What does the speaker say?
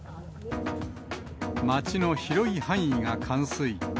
町の広い範囲が冠水。